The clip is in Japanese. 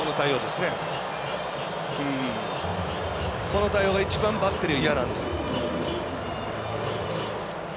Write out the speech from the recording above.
この対応が一番バッテリーは嫌なんですよ。